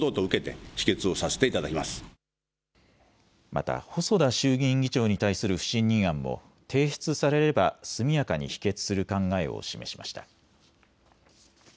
また細田衆議院議長に対する不信任案も提出されれば速やかに否決する考えを示しました。